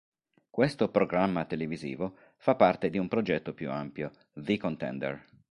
Questo programma televisivo fa parte di un progetto più ampio, "The Contender".